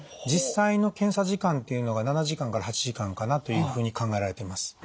実際の検査時間っていうのが７時間から８時間かなというふうに考えられています。